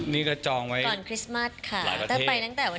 นี่ก็จองก่อนคริสมัสค่ะ